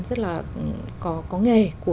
rất là có nghề của